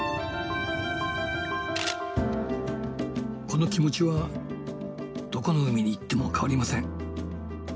この気持ちはどこの海に行っても変わりません。